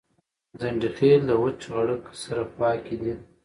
ځنډيخيل دوچ غړک سره خواکی دي